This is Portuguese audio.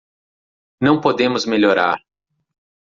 Não podemos melhorar